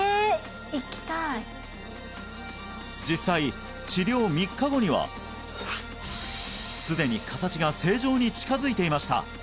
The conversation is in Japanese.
行きたい実際治療３日後にはすでに形が正常に近づいていました